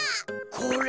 これ？